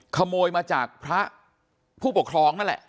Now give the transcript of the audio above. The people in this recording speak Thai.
ขโมยมาจากพระผู้ปกครองนั่นแหละ